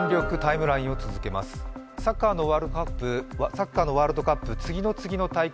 サッカーのワールドカップ次の次の大会